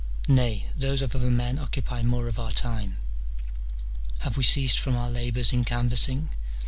nay, those of other men occupy more of our time. Have we ceased from our labours in canvassing